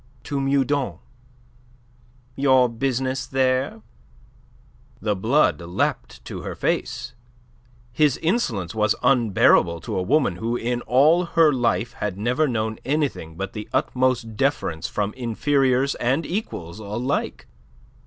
"To Meudon." "Your business there?" The blood leapt to her face. His insolence was unbearable to a woman who in all her life had never known anything but the utmost deference from inferiors and equals alike.